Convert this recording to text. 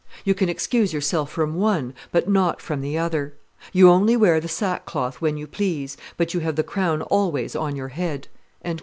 You can excuse yourself from one, but not from the other. You only wear the sackcloth when you please, but you have the crown always on your head."